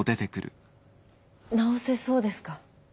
治せそうですか？